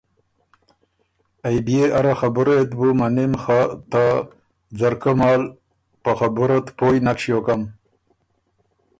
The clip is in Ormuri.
ائ بيې اره خبُرئ ات بُو منِم خه ته ”ځرکۀ مال“ په خبُره ت پویٛ نک ݭیوکم۔